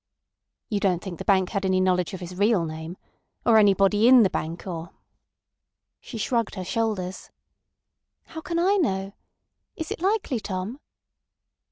"You don't think the bank had any knowledge of his real name? Or anybody in the bank or—" She shrugged her shoulders. "How can I know? Is it likely, Tom?